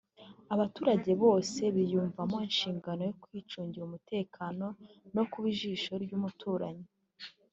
abaturage bose biyumvamo inshingano yo kwicungira umutekano no kuba ijisho ry’umuturanyi